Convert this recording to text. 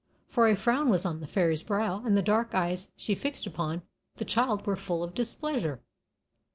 For a frown was on the fairy's brow, and the dark eyes she fixed upon the child were full of displeasure.